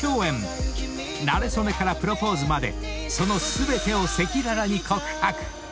［なれ初めからプロポーズまでその全てを赤裸々に告白］